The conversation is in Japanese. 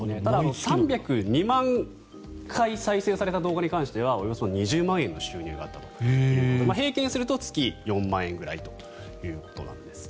３０２万回再生された動画に関してはおよそ２０万円の収入があったということで平均すると月４万円ぐらいということです。